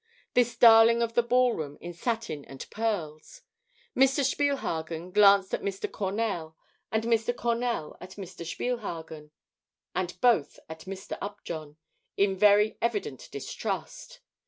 This darling of the ball room in satin and pearls! Mr. Spielhagen glanced at Mr. Cornell, and Mr. Cornell at Mr. Spielhagen, and both at Mr. Upjohn, in very evident distrust.